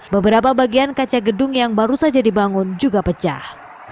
beberapa bagian kaca gedung yang baru saja dibangun juga pecah